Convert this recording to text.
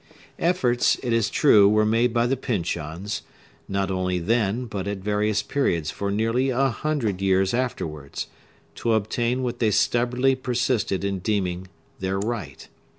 Efforts, it is true, were made by the Pyncheons, not only then, but at various periods for nearly a hundred years afterwards, to obtain what they stubbornly persisted in deeming their right.